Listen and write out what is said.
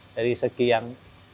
dari segi yang dua ribu delapan